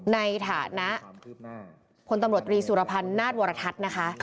ในฐานะพลตำรวจตรีสุรพันธ์นาฏวรทัศน์นะคะ